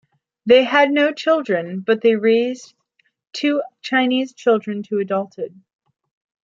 They had no children, but they raised two Chinese children to adulthood.